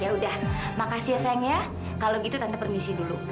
ya udah makasih ya sayang ya kalau gitu tante permisi dulu